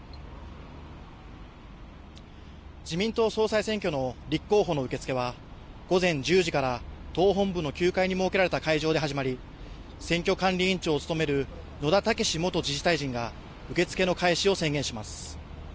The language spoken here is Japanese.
自民党総裁選挙の立候補の受け付けは午前１０時から党本部の９階に設けられた会場で始まり選挙管理委員長を務める野田毅元自治大臣が受け付けの開始を宣言します。